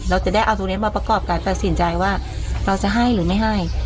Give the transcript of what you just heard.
เราจะได้เอาตรงนี้มาประกอบการตัดสินใจว่าเราจะให้หรือไม่ให้